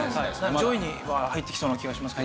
上位には入ってきそうな気がしますね。